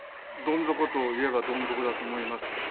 どん底といえば、どん底だと思います。